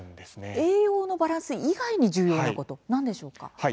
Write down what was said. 栄養のバランス以外に重要なもの、何でしょうか。